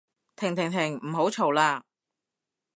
停停停唔好嘈喇